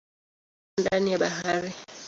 Ni kama mto ndani ya bahari.